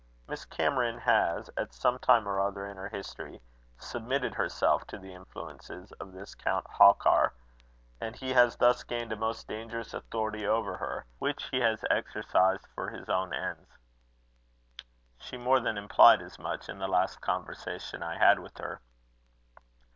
Miss Cameron has, at some time or other in her history, submitted herself to the influences of this Count Halkar; and he has thus gained a most dangerous authority over her, which he has exercised for his own ends." "She more than implied as much in the last conversation I had with her."